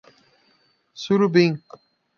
Surubim